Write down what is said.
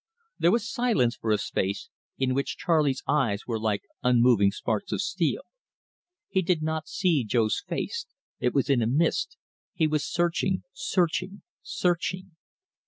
There was silence for a space, in which Charley's eyes were like unmoving sparks of steel. He did not see Jo's face it was in a mist he was searching, searching, searching.